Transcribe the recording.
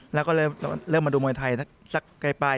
แล้วก็เลยเริ่มมาดูมวยไทยสักใกล้